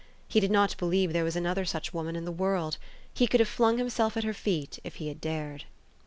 He did not believe there was another such woman in the world. He could have flung himself at her feet, if he had dared.